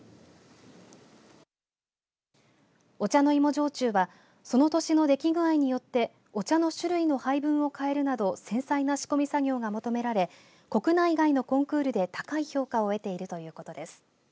お茶の芋焼酎はその年の出来具合によってお茶の種類の配分を変えるなど繊細な仕込み作業が求められ国内外のコンクールで高い評価を得ているということです。